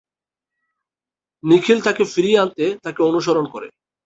নিখিল তাকে ফিরিয়ে আনতে তাকে অনুসরণ করে।